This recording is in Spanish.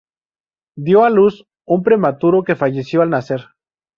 Dio a luz a un prematuro que falleció al nacer.